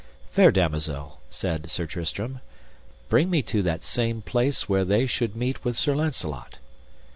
Fair damosel, said Sir Tristram, bring me to that same place where they should meet with Sir Launcelot.